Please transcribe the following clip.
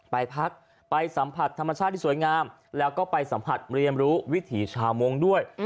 ไปพักไปสัมผัสธรรมชาติที่สวยงามแล้วก็ไปสัมผัสเรียนรู้วิถีชาวมงค์ด้วย